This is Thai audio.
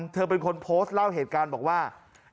เธอเป็นคนโพสต์เล่าเหตุการณ์บอกว่า